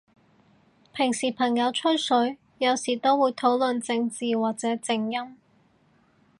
平時朋友吹水，有時都會討論正字或者正音？